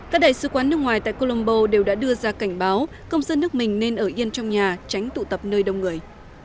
các đại sứ quán nước ngoài tại colombo đều đã đưa ra cảnh báo công dân nước mình nên ở yên trong nhà tránh tụ tập nơi đông người